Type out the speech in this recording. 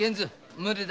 無理だ。